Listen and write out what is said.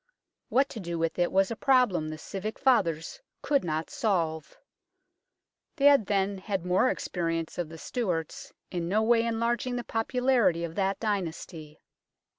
What to do with it was a problem the civic fathers could not solve. They had then had more experience of the Stuarts, in no way enlarging the popularity of that dynasty.